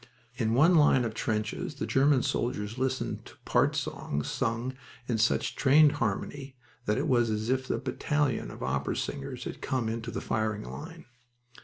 In one line of trenches the German soldiers listened to part songs sung in such trained harmony that it was as if a battalion of opera singers had come into the firing line.